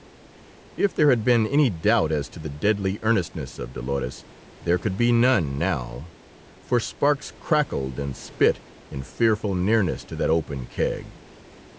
If there had been any doubt as to the deadly earnestness of Dolores, there could be none now, for sparks crackled and spit in fearful nearness to that open keg.